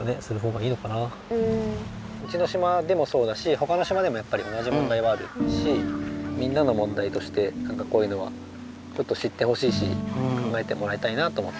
うちの島でもそうだしほかの島でもやっぱり同じ問題はあるしみんなの問題としてなんかこういうのはちょっと知ってほしいし考えてもらいたいなと思ってここに来てもらいました。